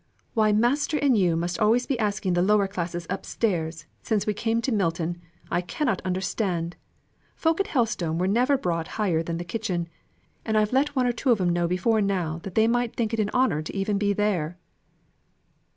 "Why master and you must always be asking the lower classes up stairs, since we came to Milton, I cannot understand. Folk at Helstone were never brought higher than the kitchen; and I've let one or two of them know before now that they might think it an honour to be even there."